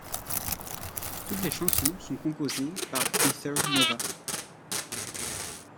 Toutes les chansons sont composées par Heather Nova.